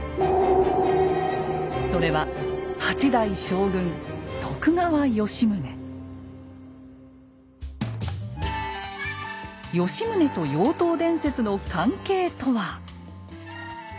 それは吉宗と妖刀伝説の関係とは？